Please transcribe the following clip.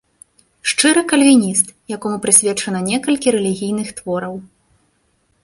Шчыры кальвініст, якому прысвечана некалькі рэлігійных твораў.